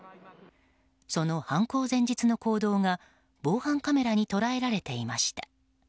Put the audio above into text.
その犯行前日の行動が防犯カメラに捉えられていました。